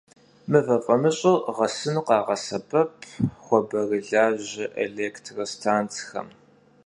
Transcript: Mıve f'amış'ır ğesınu khağesebep xuaberılaje elêktrostantsxem.